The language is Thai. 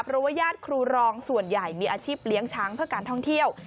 เพราะว่าญาติครูรองส่วนใหญ่มีอาชีพเลี้ยงช้างเพื่อการท่องเที่ยว